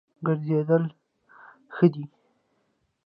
ګرځېدل ښه دی.